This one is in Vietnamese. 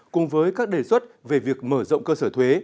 cùng với các đề xuất về việc mở rộng cơ sở thuế